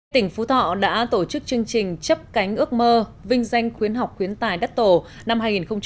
tỉnh phú thọ đã tổ chức chương trình chấp cánh ước mơ vinh danh khuyến học khuyến tài đất tổ năm hai nghìn một mươi chín